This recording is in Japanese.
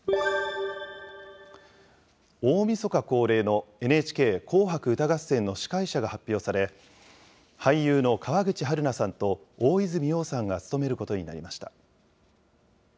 大みそか恒例のＮＨＫ紅白歌合戦の司会者が発表され、俳優の川口春奈さんと大泉洋さんが務めることになりました。